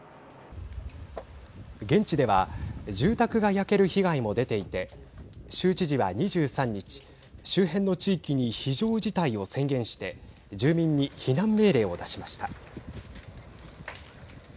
現地では住宅が焼ける被害も出ていて州知事は２３日周辺の地域に非常事態を宣言して住民に避難命令を出しました。